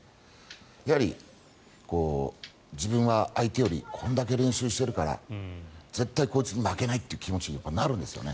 やはり自分は相手よりこれだけ練習してるから絶対こいつに負けないって気持ちになるんですよね。